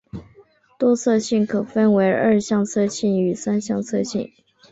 多色性可分为二向色性与三向色性。